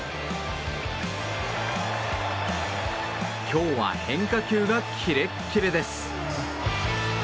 今日は変化球がキレッキレです。